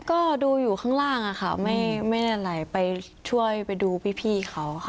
ก็ดูอยู่ข้างล่างอะค่ะไม่ได้ไหลไปช่วยไปดูพี่เขาค่ะ